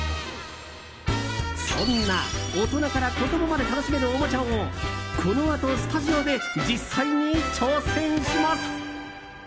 そんな大人から子供まで楽しめるおもちゃをこのあと、スタジオで実際に挑戦します。